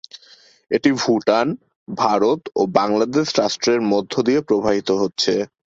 এটি ভুটান, ভারত ও বাংলাদেশ রাষ্ট্রের মধ্যে দিয়ে প্রবাহিত হয়েছে।